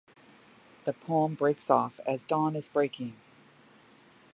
The poem breaks off as dawn is breaking.